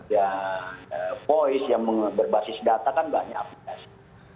ya voice yang berbasis data kan banyak aplikasi